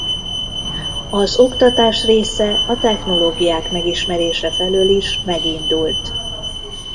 Az oktatás része a technológiák megismerése felől is megindult.